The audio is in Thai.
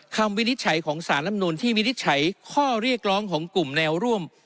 วินิจฉัยของสารลำนูนที่วินิจฉัยข้อเรียกร้องของกลุ่มแนวร่วม